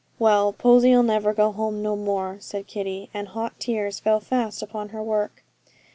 'Well, Posy'll never go home no more,' said Kitty; and hot tears fell fast upon her work.